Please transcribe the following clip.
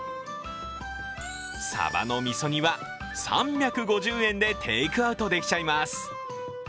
サバの味噌煮は３５０円でテイクアウトできちゃいます。